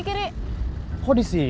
kok di sini